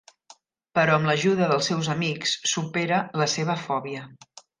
Però amb l'ajuda dels seus amics, supera la seva fòbia.